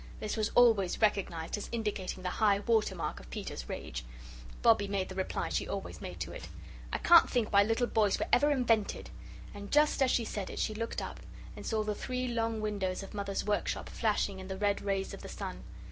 This was always recognised as indicating the high water mark of Peter's rage. Bobbie made the reply she always made to it. "I can't think why little boys were ever invented," and just as she said it she looked up, and saw the three long windows of Mother's workshop flashing in the red rays of the sun.